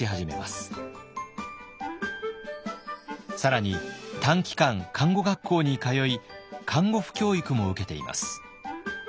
更に短期間看護学校に通い看護婦教育も受けています。